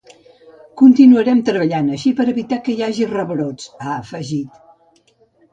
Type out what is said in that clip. Continuarem treballant així per evitar que hi hagi rebrots, ha afegit.